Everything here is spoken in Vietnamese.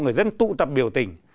người dân tụ tập biểu tình